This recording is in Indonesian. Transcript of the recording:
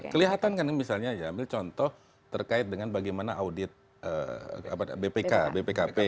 kelihatan kan misalnya ambil contoh terkait dengan bagaimana audit bpk bpkp